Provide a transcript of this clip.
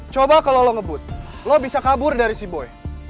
coba kalau lo ngebut lo bisa kabur dari sea boy